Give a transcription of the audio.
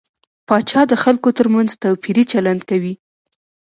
پاچا د خلکو تر منځ توپيري چلند کوي .